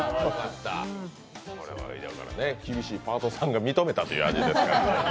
厳しいパートさんが認めたという味ですから。